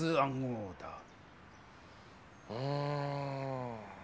うん。